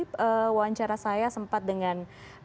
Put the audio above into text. wawancara saya sempat dengan